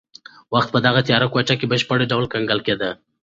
وخت په دغه تیاره کوټه کې په بشپړ ډول کنګل دی.